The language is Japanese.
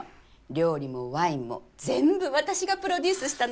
料理もワインも全部私がプロデュースしたのよ。